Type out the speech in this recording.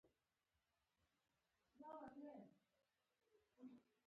درواغ، نن جمعه ده، زه په دې هم پوهېږم.